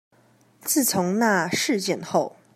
自從那事件後